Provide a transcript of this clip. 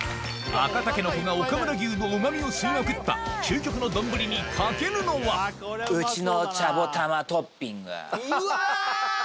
赤タケノコが岡村牛のうまみを吸いまくった究極の丼にかけるのはうわ！